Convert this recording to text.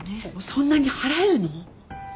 そんなに払えるの？